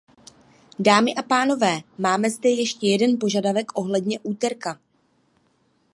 Dámy a pánové, máme zde ještě jeden požadavek ohledně úterka.